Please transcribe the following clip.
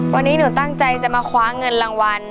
วันนี้หนูตั้งใจจะมาคว้าเงินรางวัล